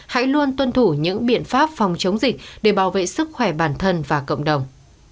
hãy luôn tuân thủ những biện pháp phòng chống dịch để bảo vệ sức khỏe bản thân và cộng đồng